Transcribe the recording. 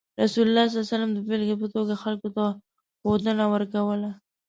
رسول الله صلى الله عليه وسلم د بیلګې په توګه خلکو ته ښوونه ورکوله.